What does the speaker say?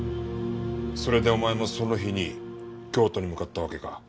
それでお前もその日に京都に向かったわけか。